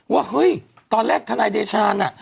ว่าเฮ้ยตอนแรกทนายเดชาน่ะ